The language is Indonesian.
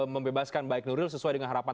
membebaskan baik nuril sesuai dengan harapan